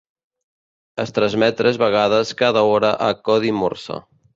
Es transmet tres vegades cada hora a Codi morse.